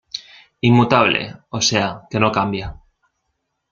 Inmutable, o sea que no cambia.